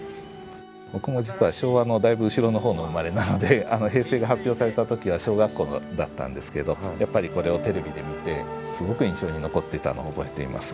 僕も実は昭和のだいぶ後ろのほうの生まれなので平成が発表された時は小学校だったんですけどやっぱりこれをテレビで見てすごく印象に残っていたのを覚えています。